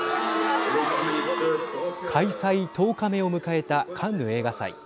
開催１０日目を迎えたカンヌ映画祭。